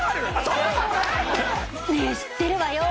ねえ知ってるわよ。